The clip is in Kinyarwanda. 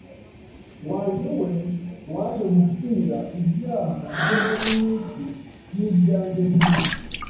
wanjye we waje gupfira ibyaha by’abari mu isi n’ibyanjye birimo